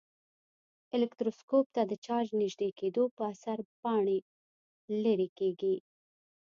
الکتروسکوپ ته د چارج نژدې کېدو په اثر پاڼې لیري کیږي.